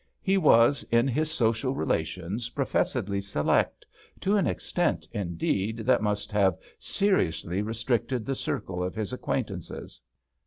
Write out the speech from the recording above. He was in his social relations professedly select, to an extent, indeed, that must have seriously restricted the circle of his acquain tances.